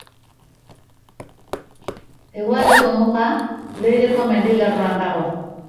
Hegoaldeko muga Leireko mendilerroan dago.